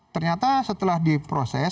ternyata setelah diproses